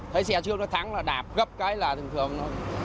thấy xe chưa nó thắng là đạp gấp cái là thường thường nó